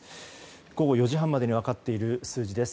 午後４時半までに分かっている数字です。